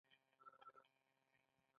د بزګرانو بچیانو هم وړیا کارونه کول.